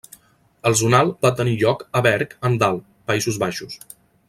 El Zonal va tenir lloc a Berg en Dal, Països Baixos.